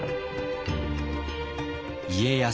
家康